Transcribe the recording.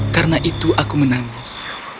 karena itu aku menangis